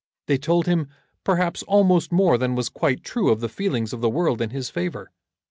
They told him perhaps almost more than was quite true of the feelings of the world in his favour.